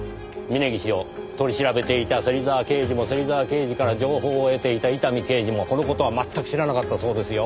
峰岸を取り調べていた芹沢刑事も芹沢刑事から情報を得ていた伊丹刑事もこの事は全く知らなかったそうですよ。